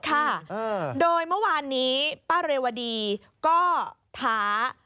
ค่ะโดยเมื่อวานนี้ป้าเรวดีก็ท้า